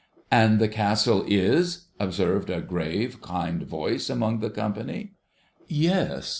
' And the Castle is ' observed a grave, kind voice among the company. 'Yes.